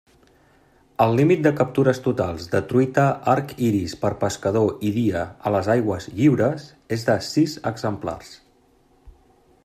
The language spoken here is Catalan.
El límit de captures totals de truita arc iris per pescador i dia a les aigües lliures és de sis exemplars.